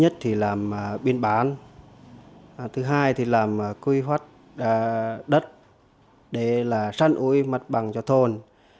từ hai thì làm quy hoạch đất để là săn uối mặt bằng cho thôn